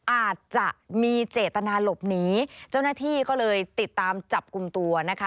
อาจจะมีเจตนาหลบหนีเจ้าหน้าที่ก็เลยติดตามจับกลุ่มตัวนะคะ